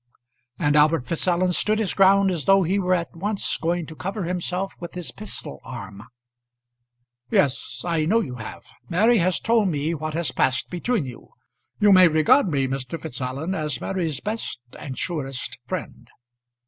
And Albert Fitzallen stood his ground as though he were at once going to cover himself with his pistol arm. "Yes, I know you have. Mary has told me what has passed between you. You may regard me, Mr. Fitzallen, as Mary's best and surest friend."